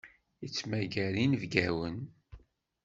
Yettmagar inebgawen.